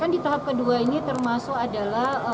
di tahap kedua ini termasuk adalah